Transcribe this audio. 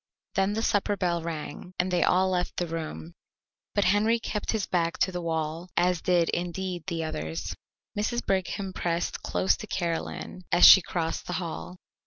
Then the supper bell rang, and they all left the room, but Henry kept his back to the wall, as did, indeed, the others. Mrs. Brigham pressed close to Caroline as she crossed the hall.